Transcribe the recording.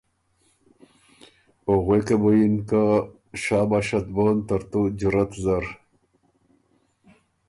او غوېکن بُو یِن که ”شاباشت بون ترتو جرأت زر“